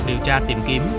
điều tra tìm kiếm